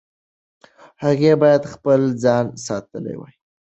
هغې باید خپل ځان ساتلی وای.